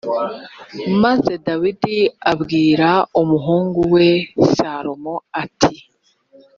maze dawidi abwira umuhungu we salomo ati